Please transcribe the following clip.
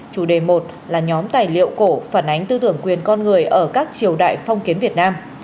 chủ đề một là nhóm tài liệu cổ phản ánh tư tưởng quyền con người ở các triều đại phong kiến việt nam